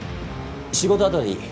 仕事は後でいい。